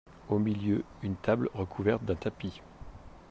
Au milieu, une table recouverte d’un tapis.